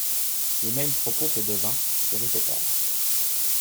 Les mêmes propos que devant se répétèrent.